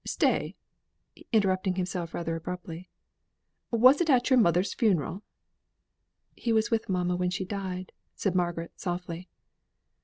Stay!" (interrupting himself rather abruptly). "Was it at your mother's funeral?" "He was with mamma when she died," said Margaret, softly.